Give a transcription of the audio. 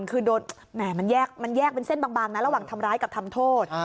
คือโดนแหม่มันแยกเป็นเส้นบางนะระหว่างทำร้ายกับทำโทษ